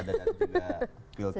dan juga pilku